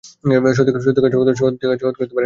সত্যিকার জগৎ কী, এরা জানে না।